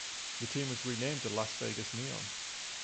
The team was renamed the Las Vegas Neon.